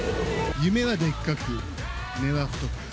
夢はでっかく、根は太く。